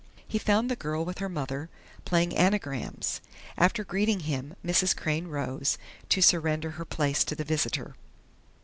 He found the girl and her mother playing anagrams. After greeting him, Mrs. Crain rose, to surrender her place to the visitor.